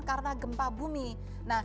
karena selat sunda itu berada di selatan